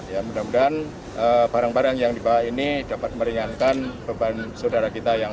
ya mudah mudahan barang barang yang dibawa ini dapat meringankan beban saudara kita yang